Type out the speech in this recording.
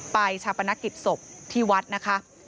ชาปนกิจศพที่วัดนะคะ